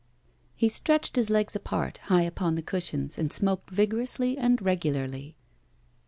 He stretched his legs apart, high upon the cushions, and smoked vigorously and regularly.